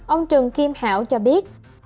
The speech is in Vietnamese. ông trần kim hảo cho biết